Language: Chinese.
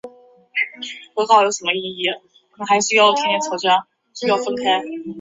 范百禄人。